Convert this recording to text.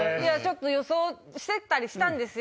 予想してたりしたんですよ